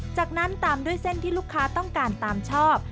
จากนั้นตามด้วยเส้นที่ลูกค้าต้องการตามชอบ